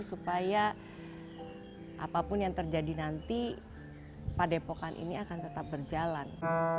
supaya apapun yang terjadi nanti padepokan ini akan tetap berjalan